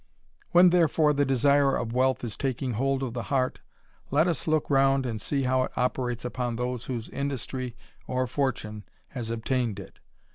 When therefore the desire of wealth is taking hold of the heart, let us look round and see how it operates upon those whose industry or fortune has obtained it